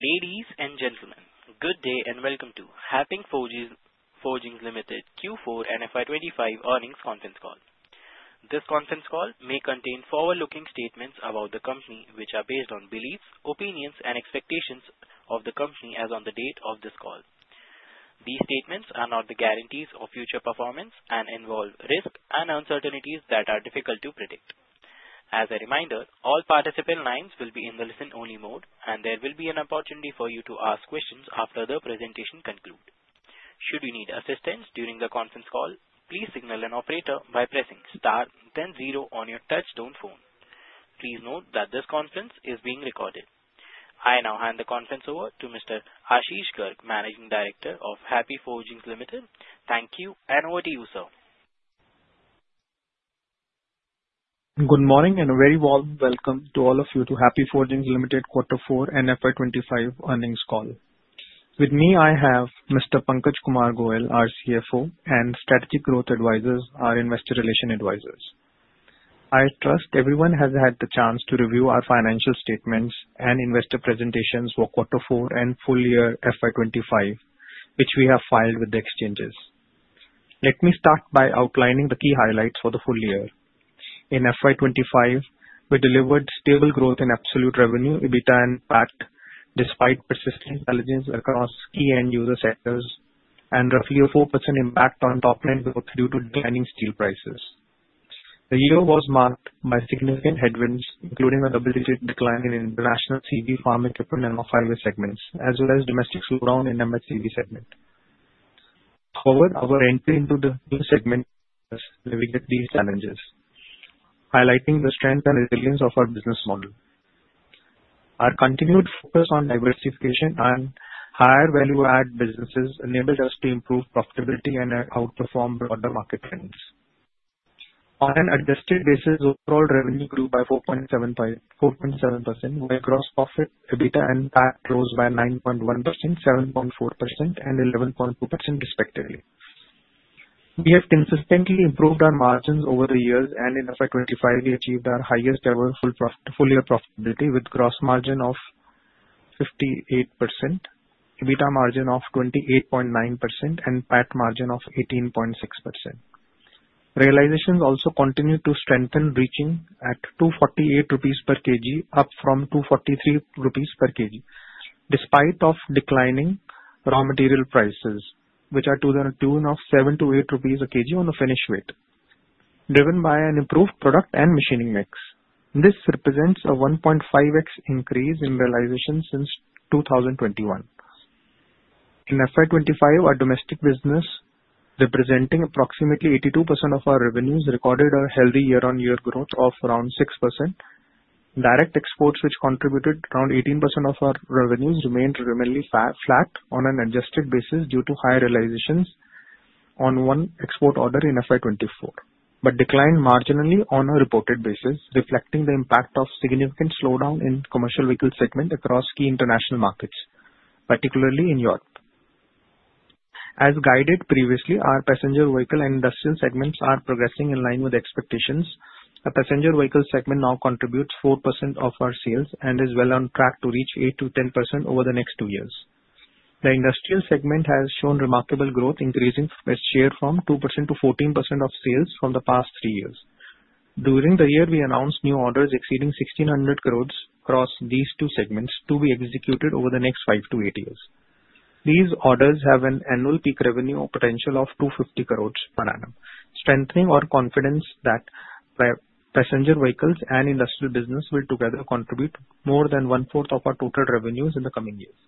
Ladies and gentlemen, good day and welcome to Happy Forgings Limited Q4 FY 2025 earnings conference call. This conference call may contain forward-looking statements about the company, which are based on beliefs, opinions, and expectations of the company as of the date of this call. These statements are not the guarantees of future performance and involve risks and uncertainties that are difficult to predict. As a reminder, all participant lines will be in the listen-only mode, and there will be an opportunity for you to ask questions after the presentation concludes. Should you need assistance during the conference call, please signal an operator by pressing star, then zero on your touch-tone phone. Please note that this conference is being recorded. I now hand the conference over to Mr. Ashish Garg, Managing Director of Happy Forgings Limited. Thank you, and over to you, sir. Good morning and a very warm welcome to all of you to Happy Forgings Limited quarter four and FY 2025 earnings call. With me, I have Mr. Pankaj Kumar Goyal, our CFO, and Strategic Growth Advisors, our Investor Relations Advisors. I trust everyone has had the chance to review our financial statements and investor presentations for quarter four and full year FY 2025, which we have filed with the exchanges. Let me start by outlining the key highlights for the full year. In FY 2025, we delivered stable growth in absolute revenue, EBITDA impact despite persistent challenges across key end-user sectors, and roughly a 4% impact on top-line growth due to declining steel prices. The year was marked by significant headwinds, including a double-digit decline in international CV, Farm Equipment and Off-highway segments, as well as domestic slowdown in MHCV segment. However, our entry into the new segment gave us these challenges, highlighting the strength and resilience of our business model. Our continued focus on diversification and higher value-add businesses enabled us to improve profitability and outperform broader market trends. On an adjusted basis, overall revenue grew by 4.7%, while gross profit, EBITDA and PAT rose by 9.1%, 7.4%, and 11.2%, respectively. We have consistently improved our margins over the years, and in FY 2025, we achieved our highest ever full-year profitability with a gross margin of 58%, EBITDA margin of 28.9%, and PAT margin of 18.6%. Realizations also continued to strengthen, reaching at 248 rupees per kg, up from 243 rupees per kg, despite declining raw material prices, which are to the tune of 7-8 rupees a kg on the finished weight, driven by an improved product and machining mix. This represents a 1.5x increase in realization since 2021. In FY 2025, our domestic business, representing approximately 82% of our revenues, recorded a healthy year-on-year growth of around 6%. Direct exports, which contributed around 18% of our revenues, remained flat on an adjusted basis due to high realizations on one export order in FY 2024, but declined marginally on a reported basis, reflecting the impact of a significant slowdown in the Commercial Vehicle segment across key international markets, particularly in Europe. As guided Passenger Vehicle and Industrial segments are progressing in line with Passenger Vehicle segment now contributes 4% of our sales and is well on track to reach 8%-10% over the next two years. The Industrial segment has shown remarkable growth, increasing its share from 2%-14% of sales from the past three years. During the year, we announced new orders exceeding 1,600 crores across these two segments to be executed over the next five to eight years. These orders have an annual peak revenue potential of 250 crores per annum, strengthening our Passenger Vehicles and Industrial business will together contribute more than 1/4 of our total revenues in the coming years.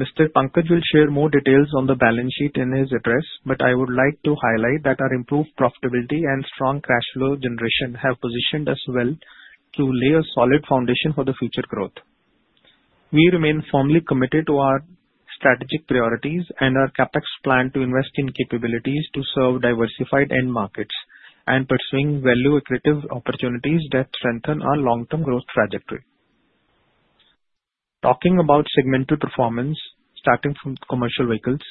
Mr. Pankaj will share more details on the balance sheet in his address, but I would like to highlight that our improved profitability and strong cash flow generation have positioned us well to lay a solid foundation for the future growth. We remain firmly committed to our strategic priorities and our CapEx plan to invest in capabilities to serve diversified end markets and pursuing value-accretive opportunities that strengthen our long-term growth trajectory. Talking about segmental performance, starting from Commercial Vehicles,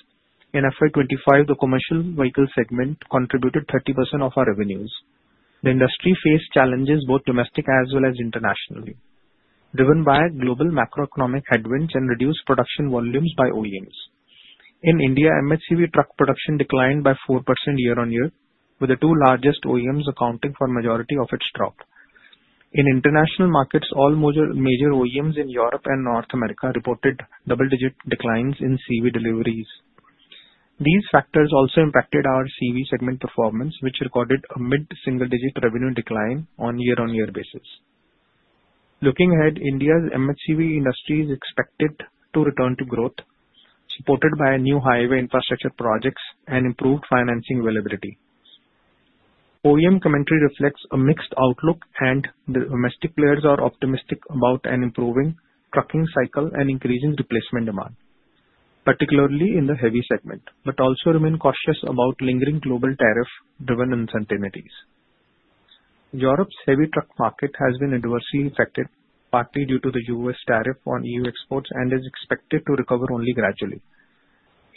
in FY 2025, the Commercial Vehicle segment contributed 30% of our revenues. The industry faced challenges both domestic as well as internationally, driven by global macroeconomic headwinds and reduced production volumes by OEMs. In India, MHCV truck production declined by 4% year-on-year, with the two largest OEMs accounting for the majority of its drop. In international markets, all major OEMs in Europe and North America reported double-digit declines in CV deliveries. These factors also impacted our CV segment performance, which recorded a mid-single-digit revenue decline on a year-on-year basis. Looking ahead, India's MHCV industry is expected to return to growth, supported by new highway infrastructure projects and improved financing availability. OEM commentary reflects a mixed outlook, and the domestic players are optimistic about an improving trucking cycle and increasing replacement demand, particularly in the heavy segment, but also remain cautious about lingering global tariff-driven uncertainties. Europe's heavy truck market has been adversely affected, partly due to the U.S. tariff on EU exports, and is expected to recover only gradually.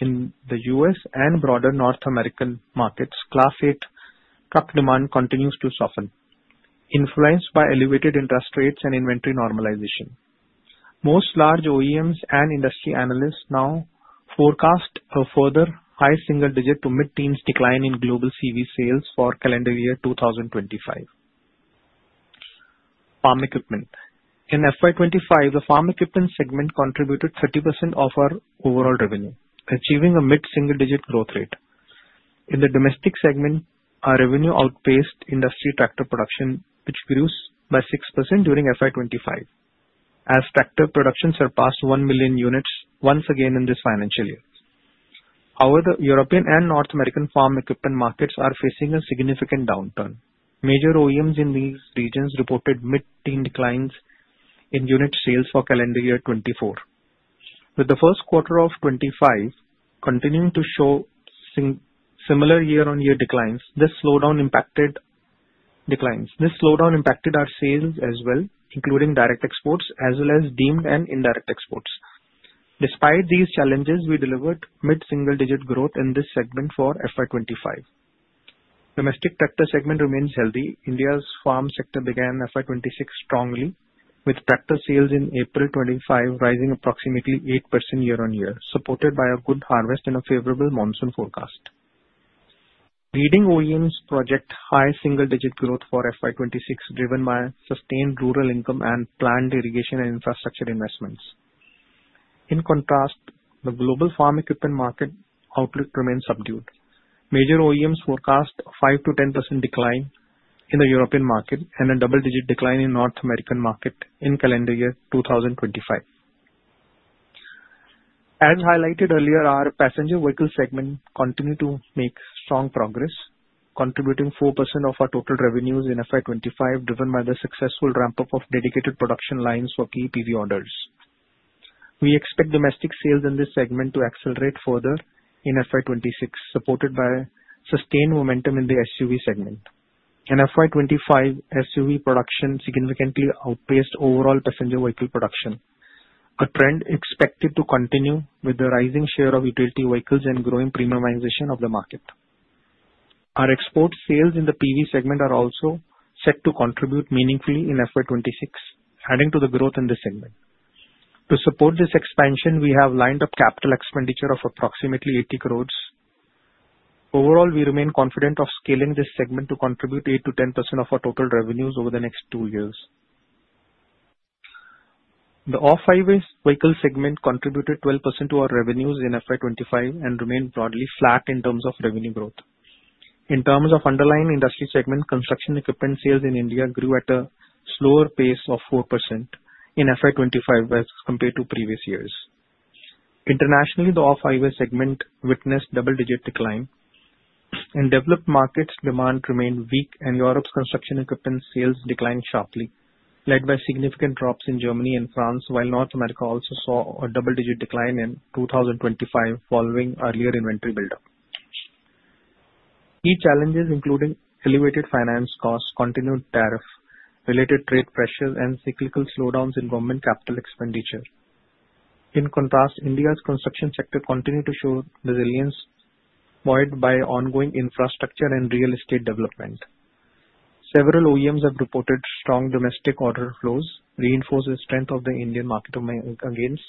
In the U.S. and broader North American markets, Class 8 truck demand continues to soften, influenced by elevated interest rates and inventory normalization. Most large OEMs and industry analysts now forecast a further high single-digit to mid-teens decline in global CV sales for calendar year 2025. Farm Equipment. In FY 2025, the Farm Equipment segment contributed 30% of our overall revenue, achieving a mid-single-digit growth rate. In the domestic segment, our revenue outpaced industry tractor production, which grew by 6% during FY 2025, as tractor production surpassed 1 million units once again in this financial year. However, the European and North American Farm Equipment markets are facing a significant downturn. Major OEMs in these regions reported mid-teens declines in unit sales for calendar year 2024. With the first quarter of 2025 continuing to show similar year-on-year declines, this slowdown impacted our sales as well, including direct exports as well as deemed and indirect exports. Despite these challenges, we delivered mid-single-digit growth in this segment for FY 2025. Domestic tractor segment remains healthy. India's farm sector began FY 2026 strongly, with tractor sales in April 2025 rising approximately 8% year-on-year, supported by a good harvest and a favorable monsoon forecast. Leading OEMs project high single-digit growth for FY 2026, driven by sustained rural income and planned irrigation and infrastructure investments. In contrast, the global Farm Equipment market outlook remains subdued. Major OEMs forecast a 5%-10% decline in the European market and a double-digit decline in the North American market in calendar year 2025. As highlighted Passenger Vehicle segment continued to make strong progress, contributing 4% of our total revenues in FY 2025, driven by the successful ramp-up of dedicated production lines for key PV orders. We expect domestic sales in this segment to accelerate further in FY 2026, supported by sustained momentum in the SUV segment. In FY 2025, SUV production significantly Passenger Vehicle production, a trend expected to continue with the rising share of utility vehicles and growing premiumization of the market. Our export sales in the PV segment are also set to contribute meaningfully in FY 2026, adding to the growth in this segment. To support this expansion, we have lined up capital expenditure of approximately 80 crores. Overall, we remain confident of scaling this segment to contribute 8%-10% of our total revenues over the next two years. The Off-highway Vehicle segment contributed 12% to our revenues in FY 2025 and remained broadly flat in terms of revenue growth. In terms of underlying industry segment, construction equipment sales in India grew at a slower pace of 4% in FY 2025 as compared to previous years. Internationally, the Off-highway segment witnessed double-digit decline. In developed markets, demand remained weak, and Europe's construction equipment sales declined sharply, led by significant drops in Germany and France, while North America also saw a double-digit decline in 2025 following earlier inventory buildup. Key challenges included elevated finance costs, continued tariff-related trade pressures, and cyclical slowdowns in government capital expenditure. In contrast, India's construction sector continued to show resilience, powered by ongoing infrastructure and real estate development. Several OEMs have reported strong domestic order flows, reinforcing the strength of the Indian market against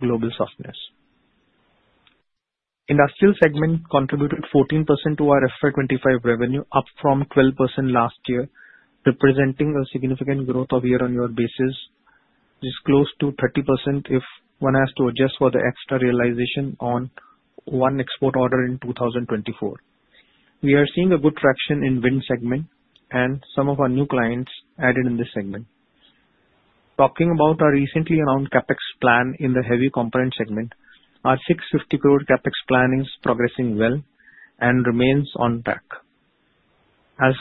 global softness. Industrial segment contributed 14% to our FY 2025 revenue, up from 12% last year, representing a significant growth on a year-on-year basis, which is close to 30% if one has to adjust for the extra realization on one export order in 2024. We are seeing a good traction in the wind segment and some of our new clients added in this segment. Talking about our recently announced CapEx plan in the heavy component segment, our 650 crore CapEx plan is progressing well and remains on track. As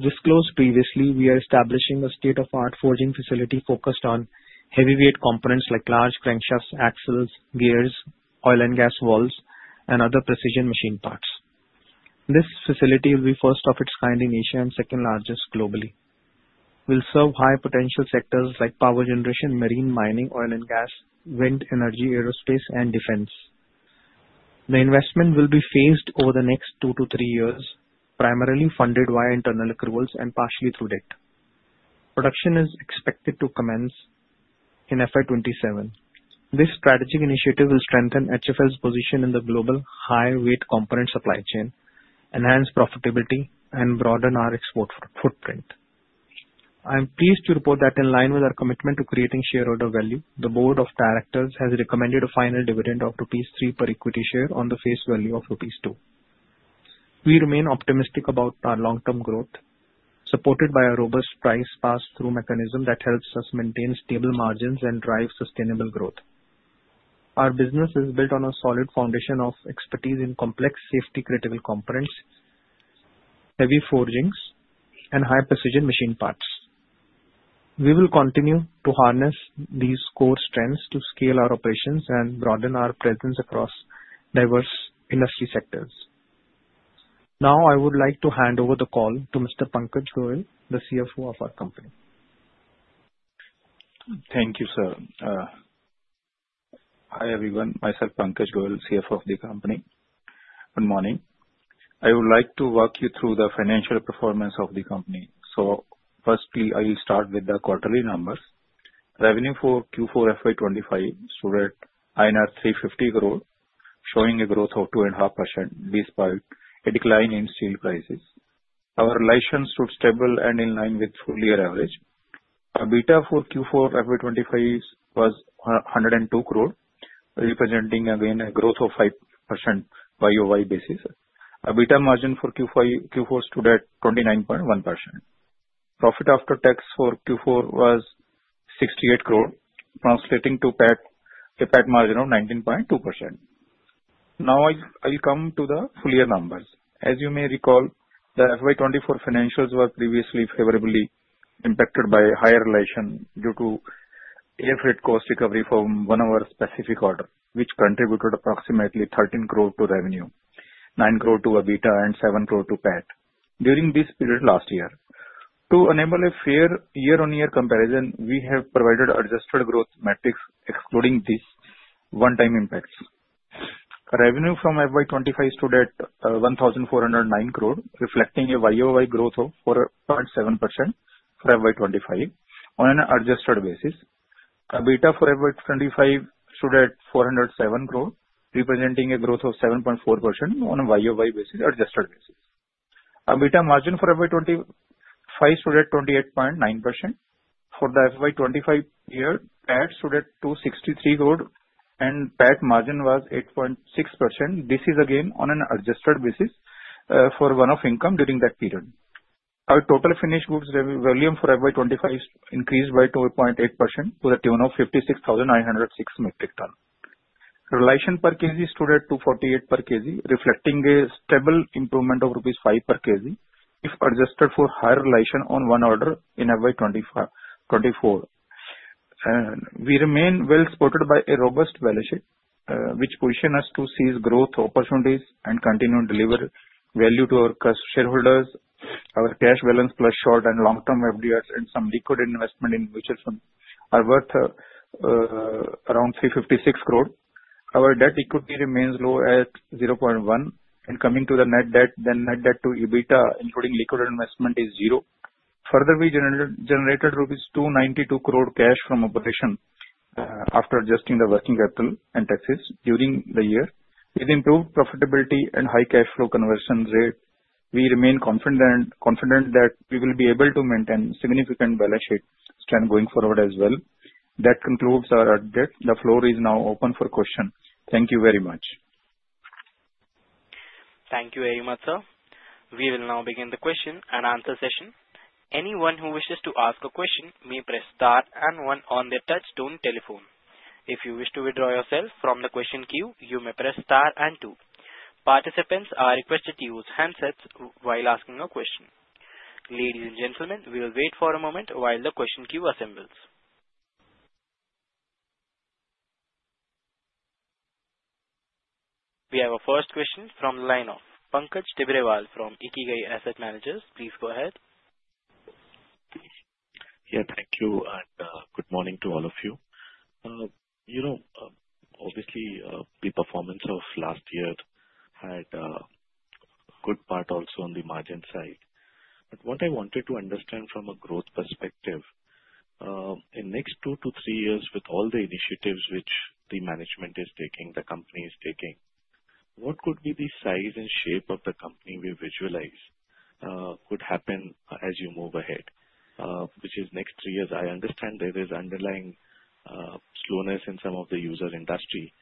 disclosed previously, we are establishing a state-of-the-art forging facility focused on heavyweight components like large crankshafts, axles, gears, oil and gas valves, and other precision machine parts. This facility will be the first of its kind in Asia and the second largest globally. It will serve high-potential sectors like power generation, marine, mining, oil and gas, wind energy, aerospace, and defense. The investment will be phased over the next two to three years, primarily funded via internal accruals and partially through debt. Production is expected to commence in FY 2027. This strategic initiative will strengthen HFL's position in the global heavyweight component supply chain, enhance profitability, and broaden our export footprint. I am pleased to report that in line with our commitment to creating shareholder value, the Board of Directors has recommended a final dividend of rupees 3 per equity share on the face value of rupees 2. We remain optimistic about our long-term growth, supported by a robust price pass-through mechanism that helps us maintain stable margins and drive sustainable growth. Our business is built on a solid foundation of expertise in complex safety-critical components, heavy forgings, and high-precision machine parts. We will continue to harness these core strengths to scale our operations and broaden our presence across diverse industry sectors. Now, I would like to hand over the call to Mr. Pankaj Goyal, the CFO of our company. Thank you, sir. Hi everyone. Myself, Pankaj Goyal, CFO of the company. Good morning. I would like to walk you through the financial performance of the company. So firstly, I will start with the quarterly numbers. Revenue for Q4 FY 2025 stood at INR 350 crore, showing a growth of 2.5% despite a decline in steel prices. Our realization stood stable and in line with full-year average. Our EBITDA for Q4 FY 2025 was 102 crore, representing a growth of 5% on a YoY basis. Our EBITDA margin for Q4 stood at 29.1%. Profit after tax for Q4 was 68 crore, translating to a PAT margin of 19.2%. Now, I will come to the full-year numbers. As you may recall, the FY 2024 financials were previously favorably impacted by higher realization due to air freight cost recovery from one of our specific orders, which contributed approximately 13 crore to revenue, 9 crore to our EBITDA, and 7 crore to PAT during this period last year. To enable a fair year-on-year comparison, we have provided adjusted growth metrics, excluding these one-time impacts. Revenue for FY 2025 stood at INR 1,409 crore, reflecting a YoY growth of 4.7% for FY 2025 on an adjusted basis. Our EBITDA for FY 2025 stood at 407 crore, representing a growth of 7.4% on a YoY basis, adjusted basis. Our EBITDA margin for FY 2025 stood at 28.9%. For the FY 2025 year, PAT stood at 263 crore, and PAT margin was 8.6%. This is again on an adjusted basis for one-off income during that period. Our total finished goods volume for FY 2025 increased by 2.8% to the tune of 56,906 metric tons. Realization per kg stood at INR 248 per kg, reflecting a stable improvement of INR 5 per kg if adjusted for higher realization on one order in FY 2024. We remain well supported by a robust balance sheet, which positions us to seize growth opportunities and continue to deliver value to our shareholders. Our cash balance, plus short and long-term FDRs and some liquid investment in mutual funds, are worth around 356 crore. Our debt equity remains low at 0.1%, and coming to the net debt, the net debt to EBITDA, including liquid investment, is zero. Further, we generated rupees 292 crore cash from operations after adjusting the working capital and taxes during the year. With improved profitability and high cash flow conversion rate, we remain confident that we will be able to maintain significant balance sheet strength going forward as well. That concludes our update. The floor is now open for questions. Thank you very much. Thank you very much, sir. We will now begin the question-andanswer session. Anyone who wishes to ask a question may press star and one on the touch-tone telephone. If you wish to withdraw yourself from the question queue, you may press star and two. Participants are requested to use handsets while asking a question. Ladies and gentlemen, we will wait for a moment while the question queue assembles. We have a first question from the line of Pankaj Tibrewal from Ikigai Asset Managers. Please go ahead. Yeah, thank you and good morning to all of you. You know, obviously, the performance of last year had a good part also on the margin side. But what I wanted to understand from a growth perspective, in the next two to three years, with all the initiatives which the management is taking, the company is taking, what could be the size and shape of the company we visualize could happen as you move ahead, which is next three years? I understand there is underlying slowness in some of the user industry,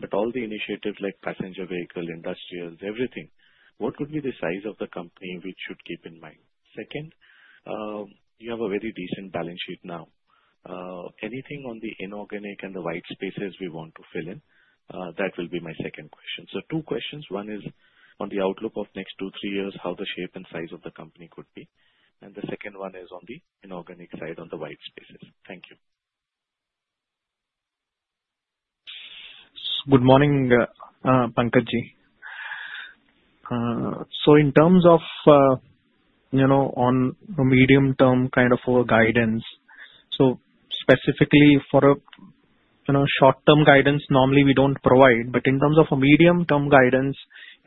but all the Passenger Vehicle, Industrials, everything, what would be the size of the company we should keep in mind? Second, you have a very decent balance sheet now. Anything on the inorganic and the white spaces we want to fill in, that will be my second question. So two questions. One is on the outlook of next two to three years, how the shape and size of the company could be. And the second one is on the inorganic side, on the white spaces. Thank you. Good morning, Pankaj ji. So in terms of medium-term kind of guidance, so specifically for a short-term guidance, normally we don't provide. But in terms of a medium-term guidance,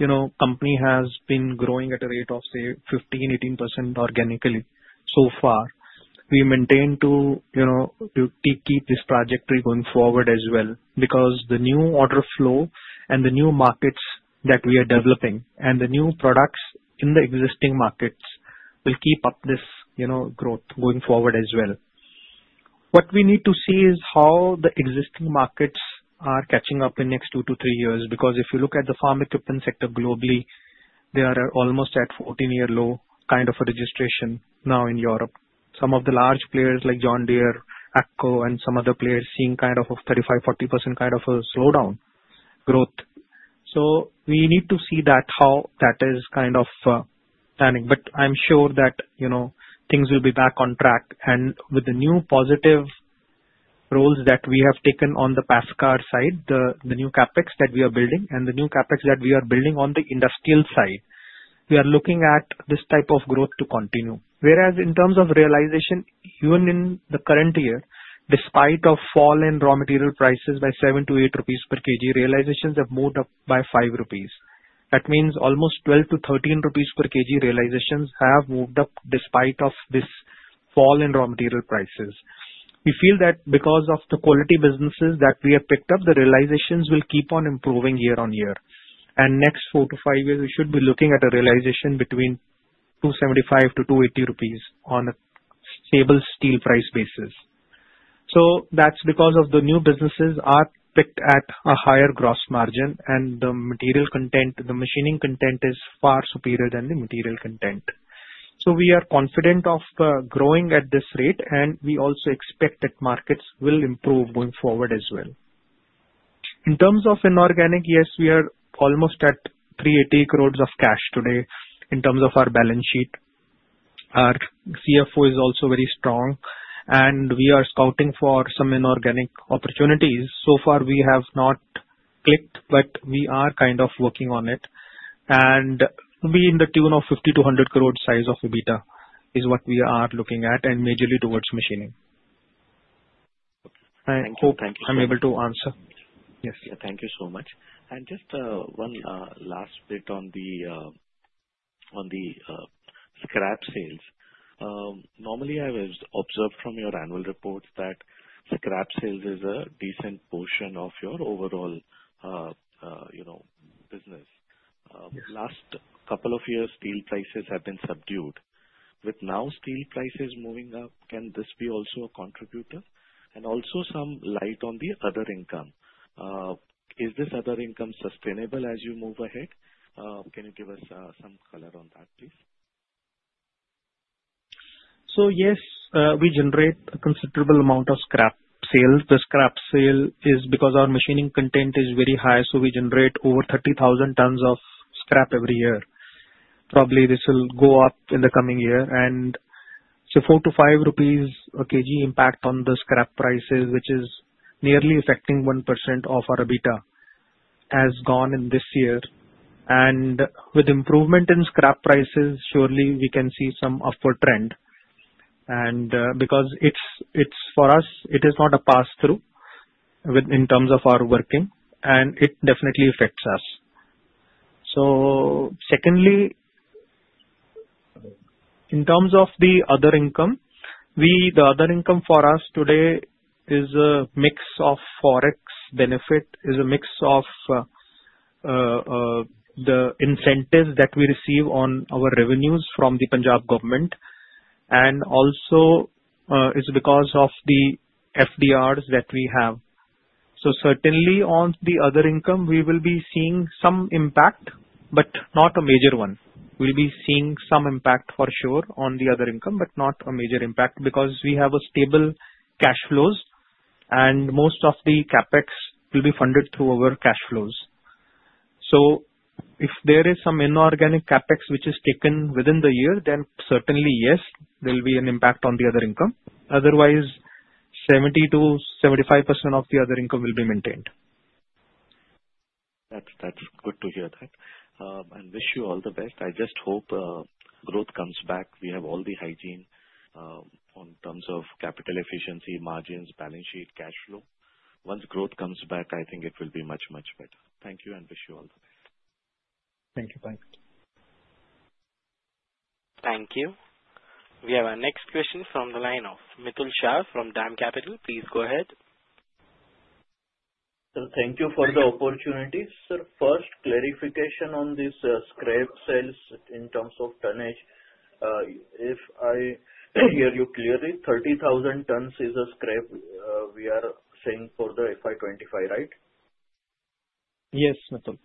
the company has been growing at a rate of, say, 15%, 18% organically so far. We maintain to keep this trajectory going forward as well because the new order flow and the new markets that we are developing and the new products in the existing markets will keep up this growth going forward as well. What we need to see is how the existing markets are catching up in the next two to three years because if you look at the Farm Equipment sector globally, they are almost at 14-year low kind of a registration now in Europe. Some of the large players like John Deere, AGCO, and some other players are seeing kind of a 35%, 40% kind of a slowdown growth. So we need to see how that is kind of planning. But I'm sure that things will be back on track. With the new positive roles that we have taken on the PASCA side, the new CapEx that we are building, and the new CapEx that we are building on the Industrial side, we are looking at this type of growth to continue. Whereas in terms of realization, even in the current year, despite a fall in raw material prices by 7-8 rupees per kg, realizations have moved up by 5 rupees. That means almost 12-13 rupees per kg realizations have moved up despite this fall in raw material prices. We feel that because of the quality businesses that we have picked up, the realizations will keep on improving year on year. Next four to five years, we should be looking at a realization between 275-280 rupees on a stable steel price basis. That's because the new businesses are picked at a higher gross margin, and the material content, the machining content is far superior than the material content. We are confident of growing at this rate, and we also expect that markets will improve going forward as well. In terms of inorganic, yes, we are almost at 380 crores of cash today in terms of our balance sheet. Our CFO is also very strong, and we are scouting for some inorganic opportunities. So far, we have not clicked, but we are kind of working on it. And we are to the tune of 50-100 crore size of EBITDA, is what we are looking at, and majorly towards machining. I hope I'm able to answer. Yes. Thank you so much. And just one last bit on the scrap sales. Normally, I have observed from your annual reports that scrap sales is a decent portion of your overall business. Last couple of years, steel prices have been subdued. With now steel prices moving up, can this be also a contributor? And also some light on the other income. Is this other income sustainable as you move ahead? Can you give us some color on that, please? So yes, we generate a considerable amount of scrap sales. The scrap sale is because our machining content is very high, so we generate over 30,000 tons of scrap every year. Probably this will go up in the coming year. And so 4-5 rupees per kg impact on the scrap prices, which is nearly affecting 1% of our EBITDA, has gone in this year. And with improvement in scrap prices, surely we can see some upward trend. Because for us, it is not a pass-through in terms of our working, and it definitely affects us. Secondly, in terms of the other income, the other income for us today is a mix of Forex benefit, is a mix of the incentives that we receive on our revenues from the Punjab government. And also it's because of the FDRs that we have. Certainly on the other income, we will be seeing some impact, but not a major one. We'll be seeing some impact for sure on the other income, but not a major impact because we have stable cash flows, and most of the CapEx will be funded through our cash flows. If there is some inorganic CapEx which is taken within the year, then certainly yes, there will be an impact on the other income. Otherwise, 70%-75% of the other income will be maintained. That's good to hear that. And wish you all the best. I just hope growth comes back. We have all the hygiene in terms of capital efficiency, margins, balance sheet, cash flow. Once growth comes back, I think it will be much, much better. Thank you and wish you all the best. Thank you. Thank you. We have our next question from the line of Mitul Shah from DAM Capital. Please go ahead. Thank you for the opportunity. Sir, first clarification on this scrap sales in terms of tonnage. If I hear you clearly, 30,000 tons is a scrap we are saying for the FY 2025, right? Yes, Mitul.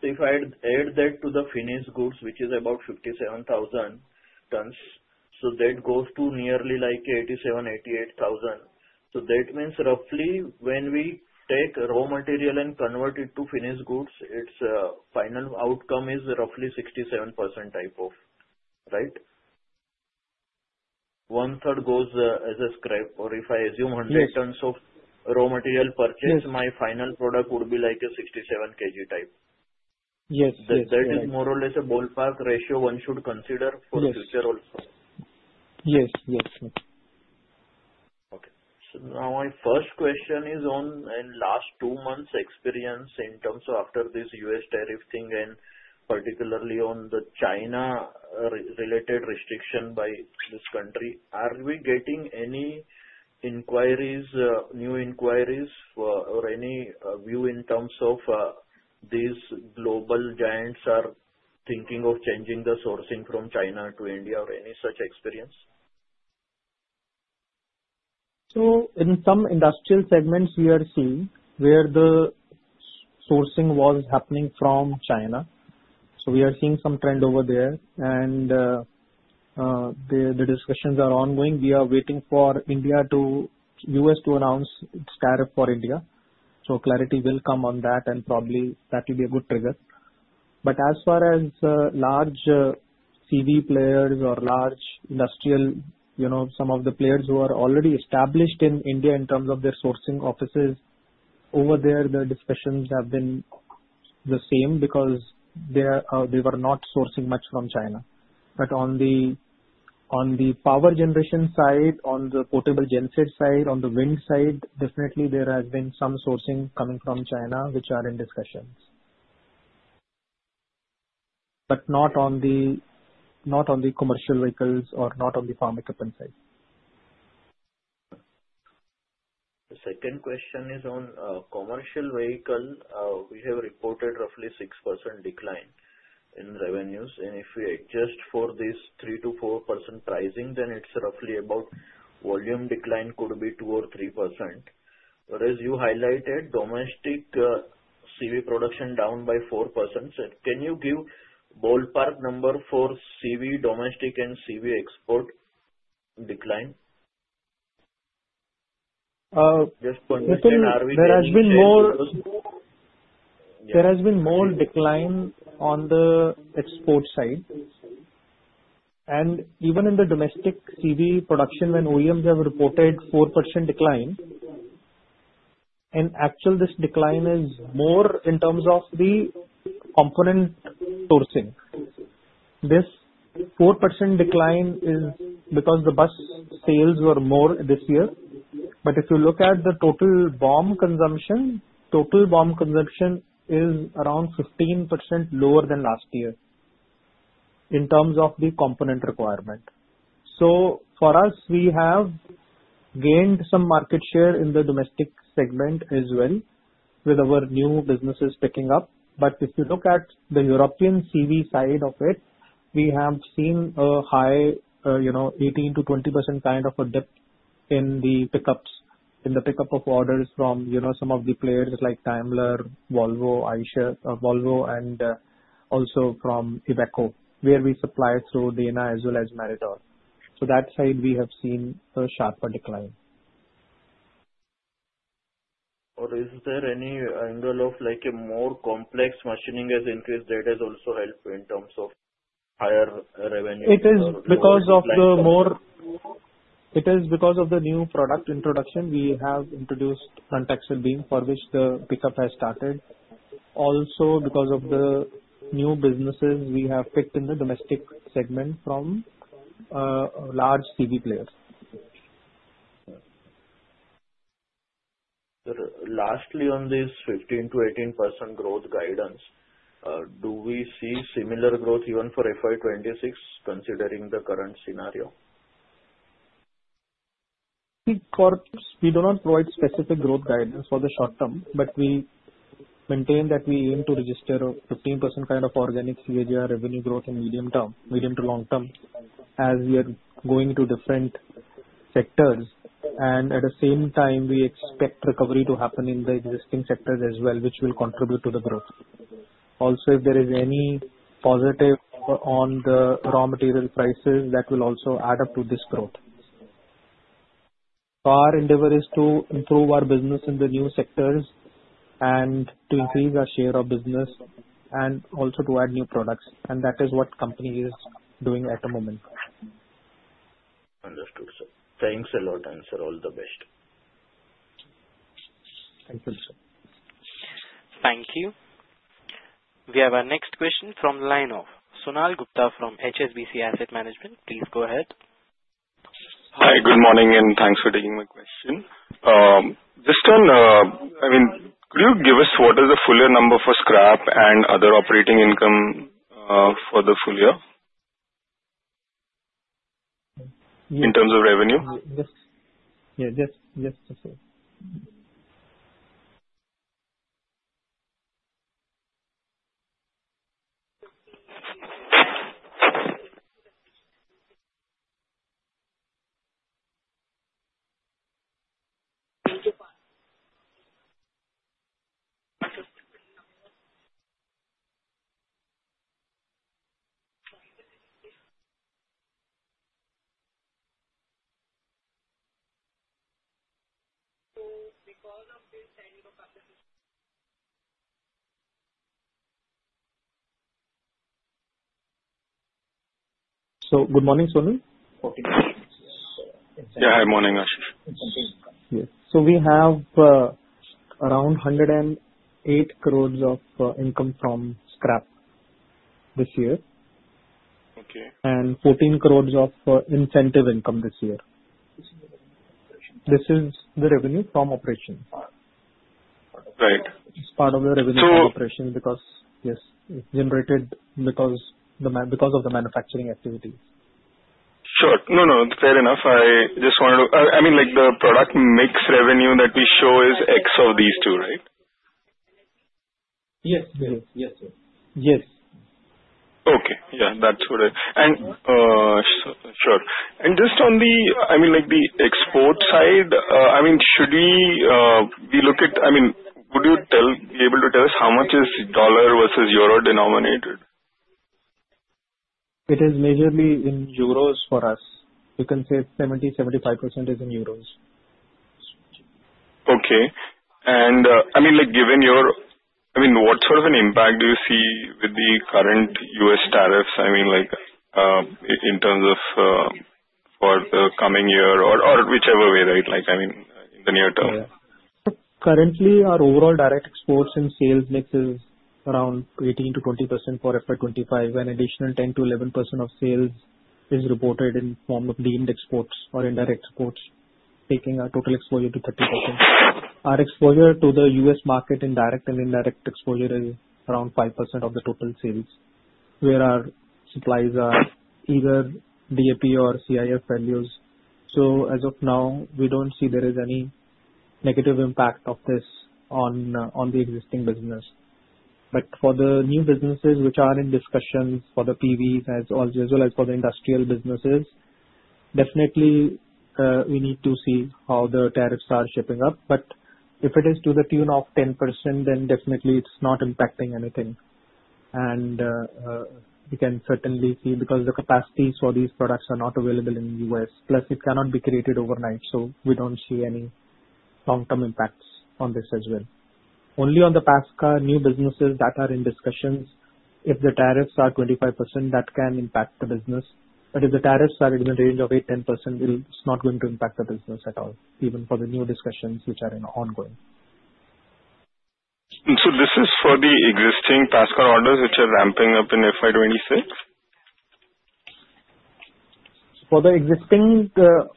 So if I add that to the finished goods, which is about 57,000 tons, so that goes to nearly like 87,000 tons, 88,000 tons. So that means roughly when we take raw material and convert it to finished goods, its final outcome is roughly 67% type of, right? One third goes as a scrap, or if I assume 100 tons of raw material purchased, my final product would be like a 67 kg type. Yes, yes. That is more or less a ballpark ratio one should consider for future also. Yes, yes, sir. Okay. So now my first question is on last two months' experience in terms of after this U.S. tariff thing and particularly on the China-related restriction by this country. Are we getting any inquiries, new inquiries, or any view in terms of these global giants thinking of changing the sourcing from China to India or any such experience? So in some Industrial segments, we are seeing where the sourcing was happening from China. So we are seeing some trend over there, and the discussions are ongoing. We are waiting for the U.S. to announce its tariff for India. So clarity will come on that, and probably that will be a good trigger. But as far as large CV players or large Industrial, some of the players who are already established in India in terms of their sourcing offices, over there, the discussions have been the same because they were not sourcing much from China. But on the power generation side, on the portable genset side, on the wind side, definitely there has been some sourcing coming from China, which are in discussions. But not on the Commercial Vehicles or not on the Farm Equipment side. The second question is on Commercial Vehicle. We have reported roughly 6% decline in revenues. And if we adjust for this 3%-4% pricing, then it's roughly about volume decline could be 2% or 3%. Whereas you highlighted domestic CV production down by 4%. Can you give ballpark number for CV domestic and CV export decline? Just point this in RVG. There has been more decline on the export side. And even in the domestic CV production, when OEMs have reported 4% decline, in actual, this decline is more in terms of the component sourcing. This 4% decline is because the bus sales were more this year. But if you look at the total BOM consumption, total BOM consumption is around 15% lower than last year in terms of the component requirement. So for us, we have gained some market share in the domestic segment as well with our new businesses picking up. But if you look at the European CV side of it, we have seen a high 18%-20% kind of a dip in the pickup of orders from some of the players like Daimler, Volvo, and also from Iveco, where we supply through Dana as well as Meritor. So that side, we have seen a sharper decline. Or is there any angle of like a more complex machining has increased? That has also helped in terms of higher revenue. It is because of the new product introduction. We have introduced axle beam for which the pickup has started. Also, because of the new businesses we have picked in the domestic segment from large CV players. Lastly, on this 15%-18% growth guidance, do we see similar growth even for FY 2026 considering the current scenario? We do not provide specific growth guidance for the short term, but we maintain that we aim to register a 15% kind of organic CV revenue growth in medium term, medium to long term as we are going to different sectors. And at the same time, we expect recovery to happen in the existing sectors as well, which will contribute to the growth. Also, if there is any positive on the raw material prices, that will also add up to this growth. Our endeavor is to improve our business in the new sectors and to increase our share of business and also to add new products. And that is what the company is doing at the moment. Understood, sir. Thanks a lot, and sir, all the best. Thank you, sir. Thank you. We have our next question from the line of Sonal Gupta from HSBC Asset Management. Please go ahead. Hi, good morning, and thanks for taking my question. This time, I mean, could you give us what is the full year number for scrap and other operating income for the full year in terms of revenue? Yes, yes, yes, sir. So good morning, Sonal. Yeah, good morning, Ashish. Yes. So we have around 108 crores of income from scrap this year and 14 crores of incentive income this year. This is the revenue from operations. Right. It's part of the revenue from operations because, yes, it's generated because of the manufacturing activities. Sure. No, no, fair enough. I just wanted to, I mean, like the product mix revenue that we show is x of these two, right? Yes, yes, yes, yes. Yes. Okay. Yeah, that's what I—and sure. Just on the, I mean, like the export side, I mean, should we look at, I mean, would you be able to tell us how much is dollar versus euro denominated? It is majorly in euros for us. You can say 70%-75% is in euros. Okay. I mean, like given your, I mean, what sort of an impact do you see with the current U.S. tariffs? I mean, like in terms of for the coming year or whichever way, right? Like, I mean, in the near term. Currently, our overall direct exports and sales mix is around 18%-20% for FY 2025, and additional 10%-11% of sales is reported in the form of deemed exports or indirect exports, taking our total exposure to 30%. Our exposure to the U.S. market in direct and indirect exposure is around 5% of the total sales, where our supplies are either DAP or CIF values. So as of now, we don't see there is any negative impact of this on the existing business. But for the new businesses which are in discussion for the PVs, as well as for the Industrial businesses, definitely we need to see how the tariffs are shaping up. But if it is to the tune of 10%, then definitely it's not impacting anything. And we can certainly see because the capacities for these products are not available in the U.S. Plus, it cannot be created overnight, so we don't see any long-term impacts on this as well. Only for these new businesses that are in discussions, if the tariffs are 25%, that can impact the business. But if the tariffs are in the range of 8%-10%, it's not going to impact the business at all, even for the new discussions which are ongoing. So this is for the existing PASCA orders which are ramping up in FY 2026? For the existing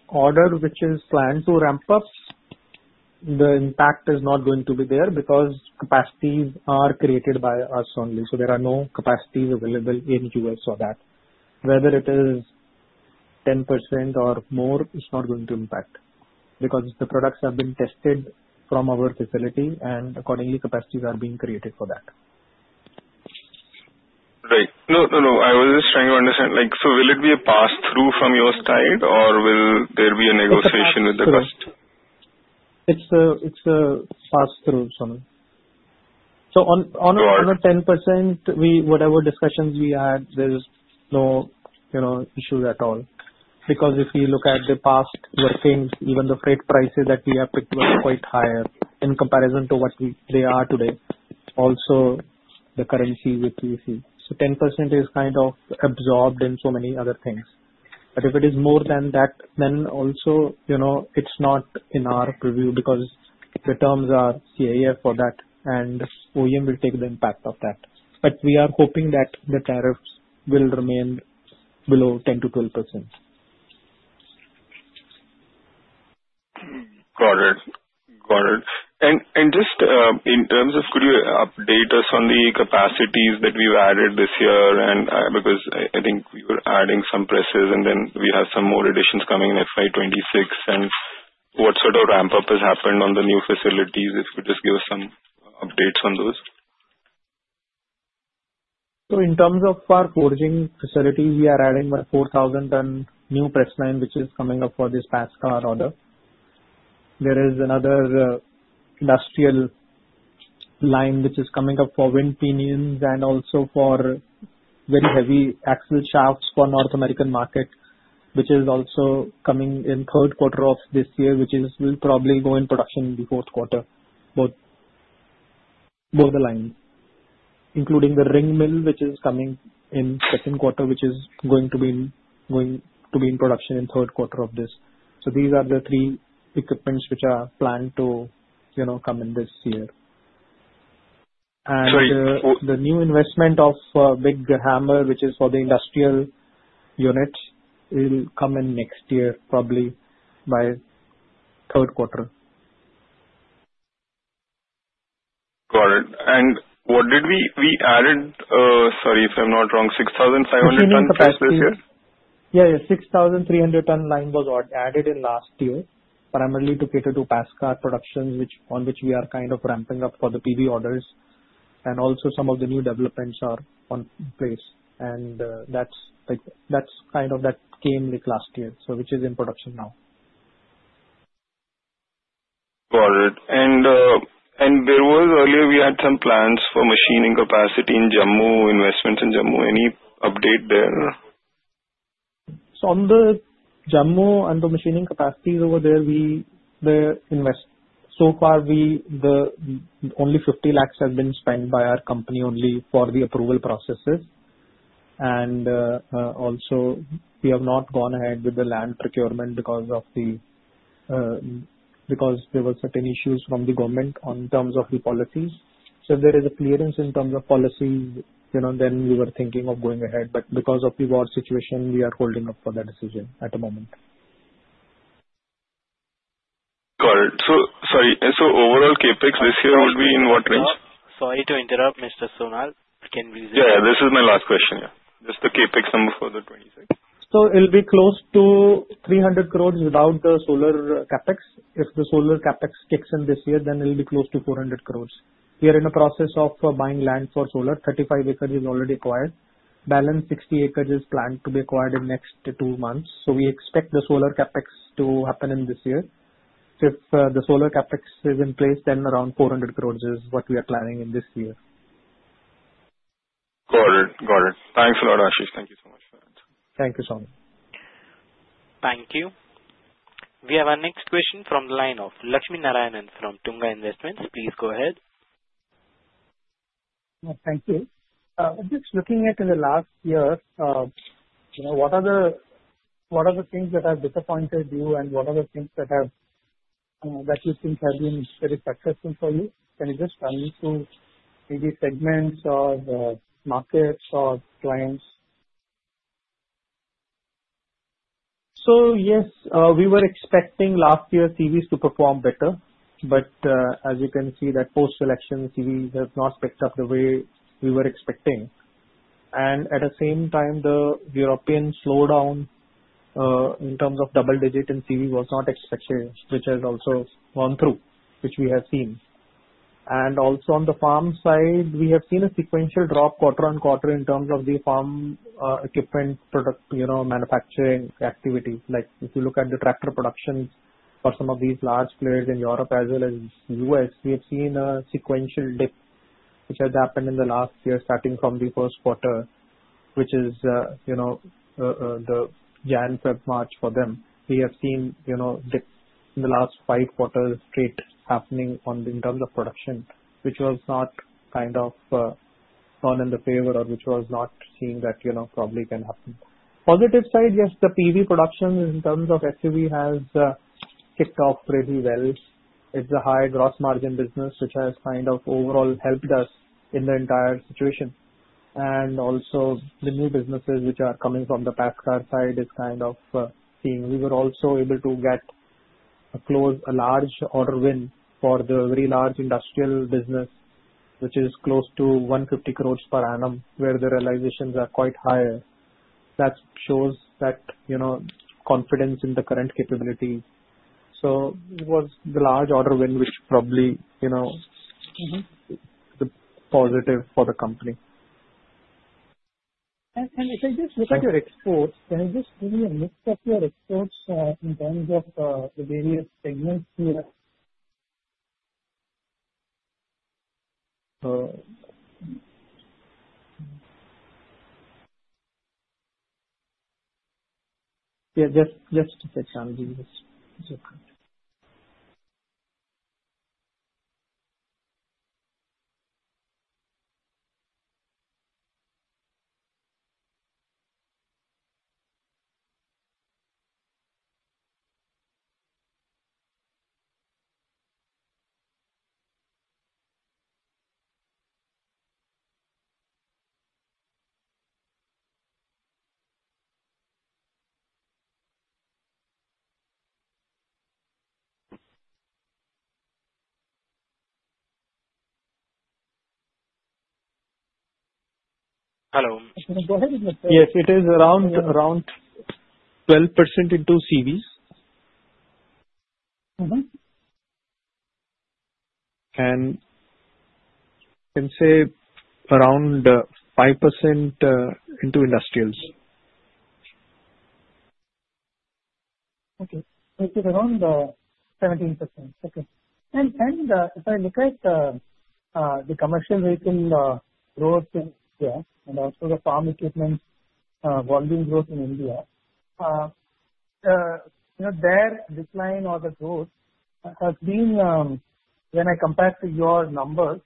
order which is planned to ramp up, the impact is not going to be there because capacities are created by us only. So there are no capacities available in the U.S. for that. Whether it is 10% or more, it's not going to impact because the products have been tested from our facility, and accordingly, capacities are being created for that. Right. No, no, no. I was just trying to understand. So will it be a pass-through from your side, or will there be a negotiation with the customer? It's a pass-through, Sonal. So on a 10%, whatever discussions we had, there's no issues at all. Because if you look at the past workings, even the freight prices that we have picked were quite higher in comparison to what they are today. Also, the currency which you see. So 10% is kind of absorbed in so many other things. But if it is more than that, then also it's not in our review because the terms are CIF for that, and OEM will take the impact of that. But we are hoping that the tariffs will remain below 10%-12%. Got it. Got it. And just in terms of, could you update us on the capacities that we've added this year? Because I think we were adding some presses, and then we have some more additions coming in FY 2026. And what sort of ramp-up has happened on the new facilities? If you could just give us some updates on those. So in terms of our forging facilities, we are adding 4,000-ton new press lines which is coming up for this PASCA order. There is another Industrial line which is coming up for wind pinions and also for very heavy axle shafts for North America market, which is also coming in third quarter of this year, which will probably go in production in the fourth quarter, both the lines, including the ring mill which is coming in second quarter, which is going to be in production in third quarter of this. So these are the three equipments which are planned to come in this year. And the new investment of big hammer, which is for the Industrial units, will come in next year, probably by third quarter. Got it. And what did we add? Sorry, if I'm not wrong, 6,500-ton press this year? Yeah, yeah. The 6,300-ton line was added in last year, primarily to cater to PASCA productions, on which we are kind of ramping up for the PV orders. And also, some of the new developments are in place. And that's kind of that came last year, which is in production now. Got it. And earlier, we had some plans for machining capacity in Jammu, investments in Jammu. Any update there? So on the Jammu and the machining capacities over there, we invest. So far, only 50 lakhs have been spent by our company only for the approval processes. And also, we have not gone ahead with the land procurement because there were certain issues from the government on terms of the policies. So if there is a clearance in terms of policies, then we were thinking of going ahead. But because of the war situation, we are holding up for that decision at the moment. Got it. So sorry. So overall CapEx this year will be in what range? Sorry to interrupt, Ms. Sonal. Can we? Yeah, this is my last question. Yeah. Just the CapEx number for the 26th. So it'll be close to 300 crores without the solar CapEx. If the solar CapEx kicks in this year, then it'll be close to 400 crores. We are in the process of buying land for solar. 35 acres is already acquired. Balance 60 acres is planned to be acquired in next two months. So we expect the solar CapEx to happen in this year. If the solar CapEx is in place, then around 400 crores is what we are planning in this year. Got it. Got it. Thanks a lot, Ashish. Thank you so much for that. Thank you, Sonal. Thank you. We have our next question from the line of Lakshminarayanan from Tunga Investments. Please go ahead. Thank you. Just looking at the last year, what are the things that have disappointed you, and what are the things that you think have been very successful for you? Can you just tell me through maybe segments or markets or clients? Yes, we were expecting last year's CVs to perform better. But as you can see, that post-election CV has not picked up the way we were expecting. And at the same time, the European slowdown in terms of double-digit in CV was not expected, which has also gone through, which we have seen. And also on the farm side, we have seen a sequential drop quarter on quarter in terms of the Farm Equipment manufacturing activity. If you look at the tractor productions for some of these large players in Europe as well as the U.S., we have seen a sequential dip, which has happened in the last year, starting from the first quarter, which is the Jan-Feb-March for them. We have seen dips in the last five quarters straight happening in terms of production, which was not kind of gone in the favor or which was not seen that probably can happen. Positive side, yes, the PV production in terms of SUV has kicked off really well. It's a high gross margin business, which has kind of overall helped us in the entire situation. And also, the new businesses which are coming from the PASCA side is kind of seeing. We were also able to get a large order win for the very large Industrial business, which is close to 150 crores per annum, where the realizations are quite higher. That shows that confidence in the current capability. So it was the large order win, which probably is positive for the company. Can you just look at your exports? Can you just give me a list of your exports in terms of the various segments here? Yeah, just a second. Hello. Go ahead, Mr. Yes, it is around 12% into CVs. And I can say around 5% into Industrials. Okay. So it is around 17%. Okay. And if I look at the Commercial Vehicle growth in India and also the Farm Equipment volume growth in India, their decline or the growth has been when I compare to your numbers,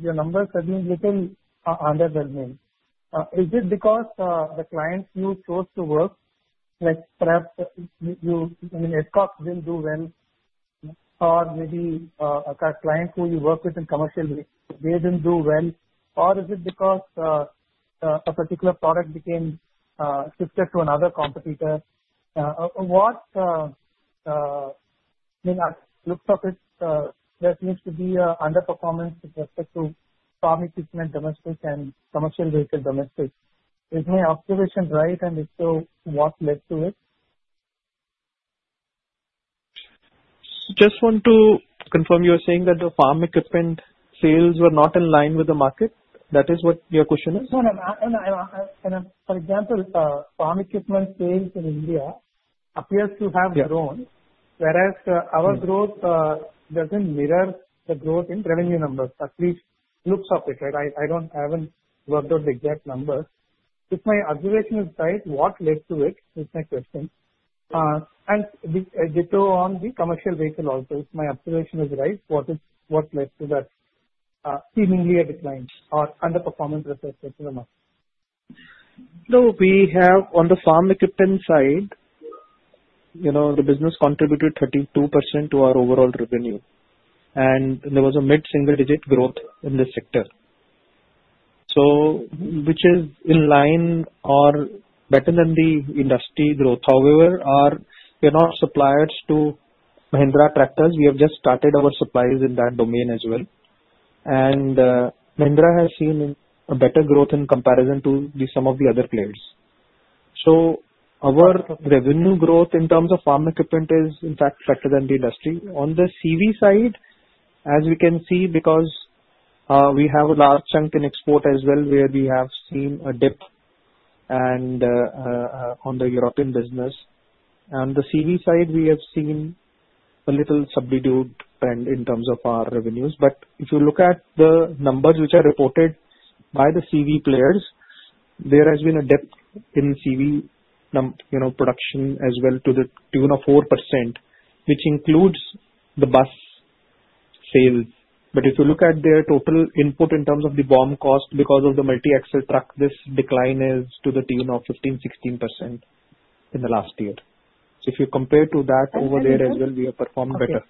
your numbers have been a little underwhelming. Is it because the clients you chose to work with, like perhaps AGCO didn't do well, or maybe a client who you work with in commercial, they didn't do well, or is it because a particular product became shifted to another competitor? Looks like there seems to be underperformance with respect to Farm Equipment domestic and Commercial Vehicle domestic. Is my observation right? And if so, what led to it? Just want to confirm you're saying that the Farm Equipment sales were not in line with the market? That is what your question is? No, no. For example, Farm Equipment sales in India appears to have grown, whereas our growth doesn't mirror the growth in revenue numbers, at least looks like it. I haven't worked out the exact numbers. If my observation is right, what led to it is my question. And it depends on the Commercial Vehicle also. If my observation is right, what led to that seemingly a decline or underperformance with respect to the market? No, we have on the Farm Equipment side, the business contributed 32% to our overall revenue, and there was a mid-single-digit growth in the sector, which is in line or better than the industry growth. However, we are not suppliers to Mahindra Tractors. We have just started our supplies in that domain as well, and Mahindra has seen a better growth in comparison to some of the other players, so our revenue growth in terms of Farm Equipment is, in fact, better than the industry. On the CV side, as we can see, because we have a large chunk in export as well, where we have seen a dip on the European business. On the CV side, we have seen a little subdued trend in terms of our revenues. But if you look at the numbers which are reported by the CV players, there has been a dip in CV production as well to the tune of 4%, which includes the bus sales. But if you look at their total input in terms of the BOM cost because of the multi-axle truck, this decline is to the tune of 15%-16% in the last year. So if you compare to that over there as well, we have performed better.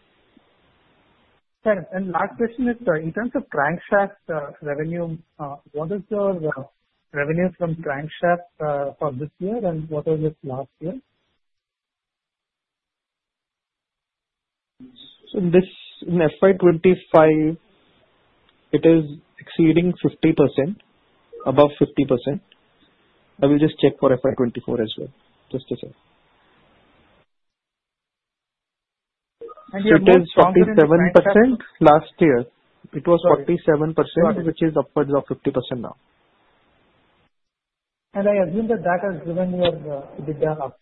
And last question is, in terms of crankshaft revenue, what is the revenue from crankshaft for this year, and what was it last year? So in FY 2025, it is exceeding 50%, above 50%. I will just check for FY 2024 as well, just to say. And you're talking about? It is 47% last year. It was 47%, which is upwards of 50% now. And I assume that that has driven your bigger up?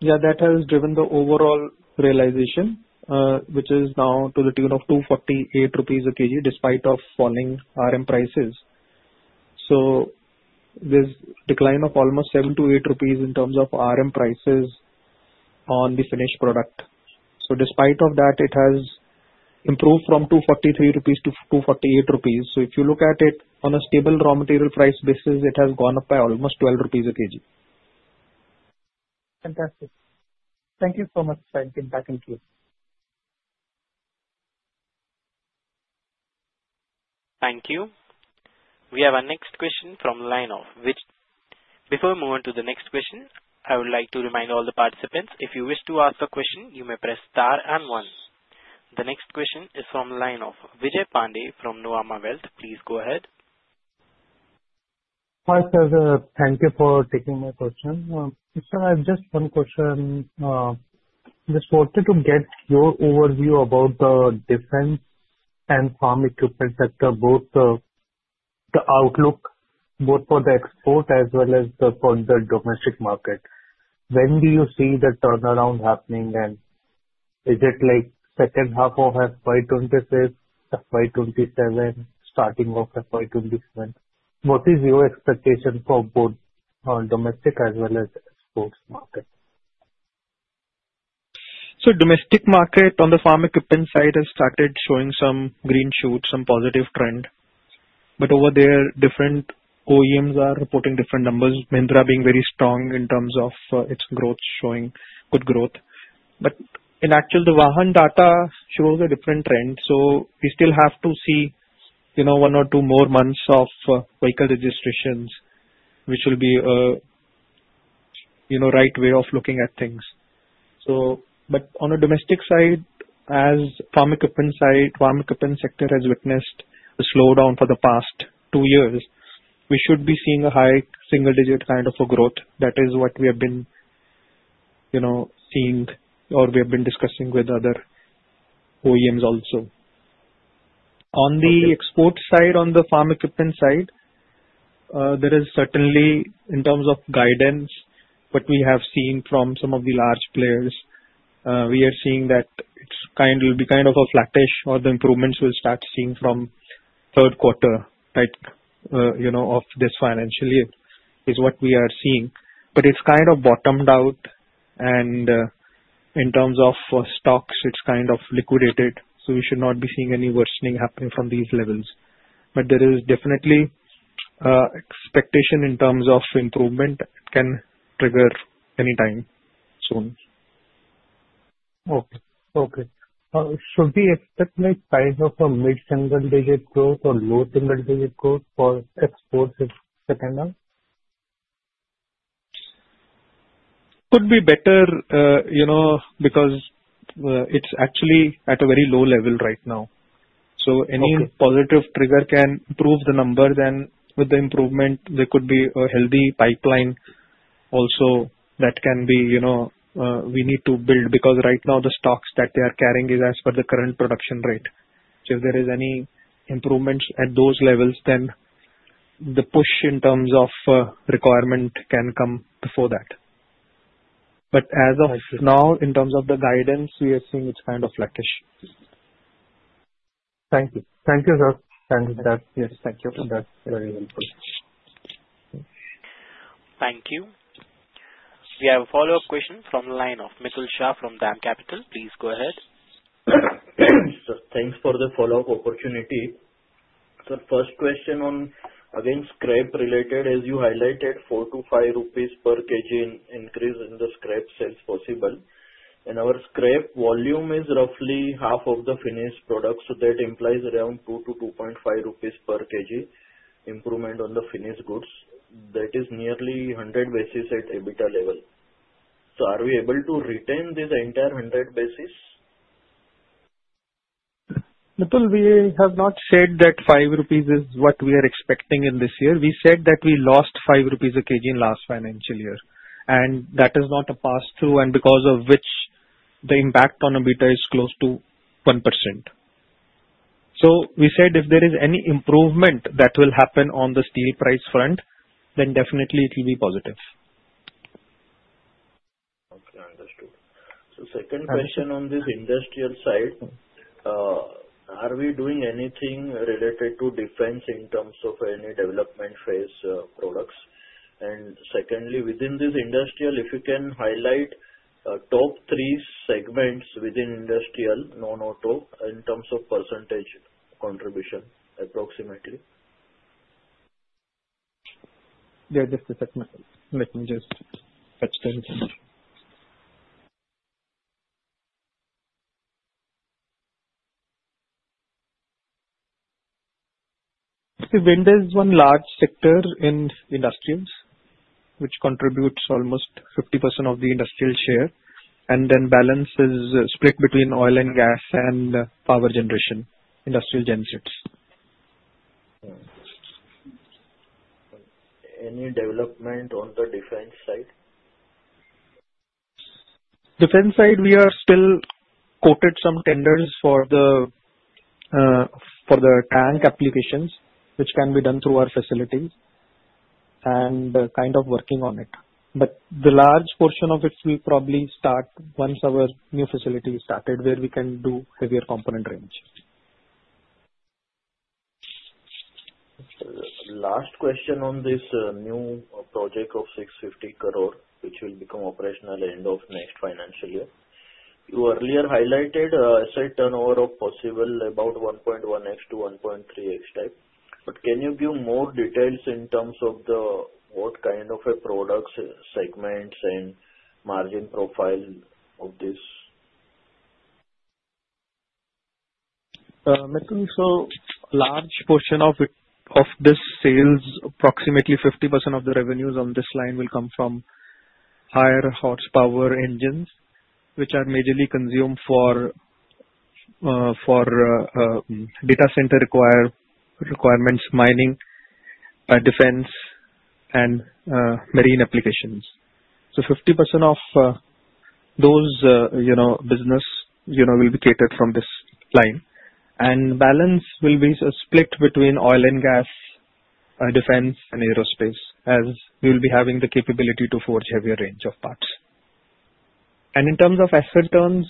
Yeah, that has driven the overall realization, which is now to the tune of 248 rupees a kg, despite of falling RM prices. So there's a decline of almost 7-8 rupees in terms of RM prices on the finished product. So despite of that, it has improved from 243 rupees to 248 rupees. So if you look at it on a stable raw material price basis, it has gone up by almost 12 rupees a kg. Fantastic. Thank you so much, sir. Thank you. Thank you. We have our next question from the line of. Before we move on to the next question, I would like to remind all the participants, if you wish to ask a question, you may press star and one. The next question is from the line of. Vijay Pandey from Nuvama Wealth. Please go ahead. Hi, sir. Thank you for taking my question. Sir, I have just one question. Just wanted to get your overview about the defense and Farm Equipment sector, both the outlook both for the export as well as for the domestic market. When do you see the turnaround happening, and is it like second half of FY 2025, FY 2027, starting of FY 2027? What is your expectation for both domestic as well as export market? So domestic market on the Farm Equipment side has started showing some green shoots, some positive trend. But over there, different OEMs are reporting different numbers, Mahindra being very strong in terms of its growth, showing good growth. But in actual, the Vahan data shows a different trend. So we still have to see one or two more months of vehicle registrations, which will be a right way of looking at things. But on the domestic side, as Farm Equipment side, Farm Equipment sector has witnessed a slowdown for the past two years. We should be seeing a high single-digit kind of a growth. That is what we have been seeing, or we have been discussing with other OEMs also. On the export side, on the Farm Equipment side, there is certainly, in terms of guidance, what we have seen from some of the large players. We are seeing that it will be kind of a flattish, or the improvements we'll start seeing from third quarter of this financial year is what we are seeing. But it's kind of bottomed out, and in terms of stocks, it's kind of liquidated. So we should not be seeing any worsening happening from these levels. But there is definitely expectation in terms of improvement. It can trigger anytime soon. Okay. Okay. So do you expect kind of a mid-single-digit growth or low-single-digit growth for exports in second half? Could be better because it's actually at a very low level right now. So any positive trigger can improve the number. Then with the improvement, there could be a healthy pipeline also that can be we need to build because right now the stocks that they are carrying is as per the current production rate. So if there is any improvements at those levels, then the push in terms of requirement can come before that. But as of now, in terms of the guidance, we are seeing it's kind of flattish. Thank you. Thank you, sir. Thank you. Yes, thank you. That's very helpful. Thank you. We have a follow-up question from the line of Mitul Shah from DAM Capital. Please go ahead. Thanks for the follow-up opportunity. First question on, again, scrap related, as you highlighted, 4-5 rupees per kg increase in the scrap sales possible. Our scrap volume is roughly half of the finished product, so that implies around 2-2.5 rupees per kg improvement on the finished goods. That is nearly 100 basis at EBITDA level. Are we able to retain this entire 100 basis? Mitul, we have not said that 5 rupees is what we are expecting in this year. We said that we lost 5 rupees a kg in last financial year. That is not a pass-through, and because of which the impact on EBITDA is close to 1%. We said if there is any improvement that will happen on the steel price front, then definitely it will be positive. Okay. Understood. So second question on this Industrial side, are we doing anything related to defense in terms of any development phase products? And secondly, within this Industrial, if you can highlight top three segments within Industrial, non-auto, in terms of percentage contribution, approximately? Yeah, just a second. Let me just touch that again. Wind is one large sector in Industrials, which contributes almost 50% of the Industrial share, and then balance is split between oil and gas and power generation, Industrial gen sets. Any development on the defense side? Defense side, we are still quoted some tenders for the tank applications, which can be done through our facilities, and kind of working on it. But the large portion of it will probably start once our new facility is started, where we can do heavier component range. Last question on this new project of 650 crore, which will become operational end of next financial year. You earlier highlighted asset turnover possibly about 1.1x-1.3x type. But can you give more details in terms of what kind of products, segments, and margin profile of this? So large portion of this sales, approximately 50% of the revenues on this line, will come from higher horsepower engines, which are majorly consumed for data center requirements, mining, defense, and marine applications. So 50% of those business will be catered from this line. And balance will be split between oil and gas, defense, and aerospace, as we will be having the capability to forge heavier range of parts. And in terms of asset turns,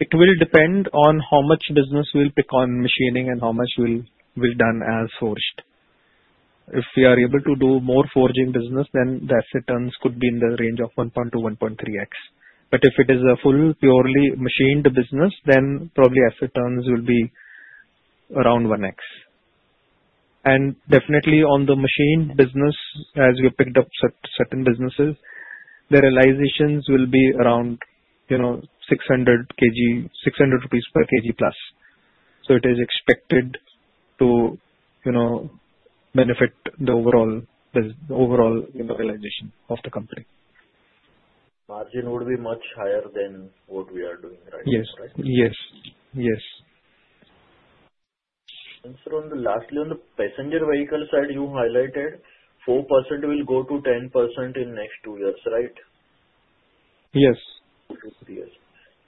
it will depend on how much business we'll pick on machining and how much will be done as forged. If we are able to do more forging business, then the asset terms could be in the range of 1.2x-1.3x. But if it is a full purely machined business, then probably asset terms will be around 1x. And definitely on the machined business, as we picked up certain businesses, the realizations will be around 600 per kg plus. So it is expected to benefit the overall realization of the company. Margin would be much higher than what we are doing right now, right? Yes. Yes. Yes. And sir, lastly, Passenger Vehicle side, you highlighted 4% will go to 10% in next two years, right? Yes.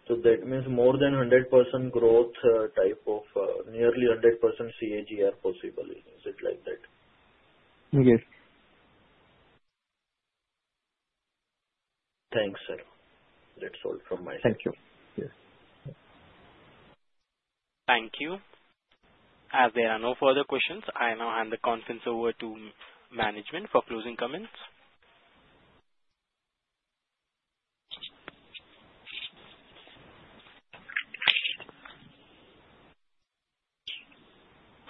So that means more than 100% growth type of nearly 100% CAGR possible. Is it like that? Yes. Thanks, sir. That's all from my side. Thank you. Thank you. As there are no further questions, I now hand the conference over to management for closing comments.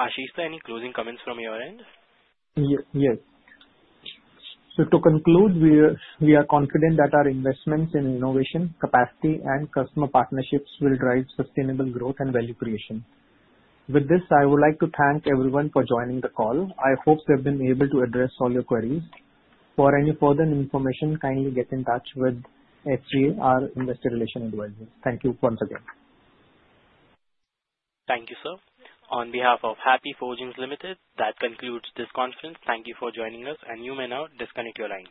Ashish, any closing comments from your end? Yes. So to conclude, we are confident that our investments in innovation, capacity, and customer partnerships will drive sustainable growth and value creation. With this, I would like to thank everyone for joining the call. I hope we have been able to address all your queries. For any further information, kindly get in touch with SGA, our Investor Relations Advisor. Thank you once again. Thank you, sir. On behalf of Happy Forgings Limited, that concludes this conference. Thank you for joining us, and you may now disconnect your lines.